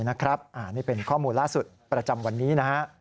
นี่เป็นข้อมูลล่าสุดประจำวันนี้นะฮะ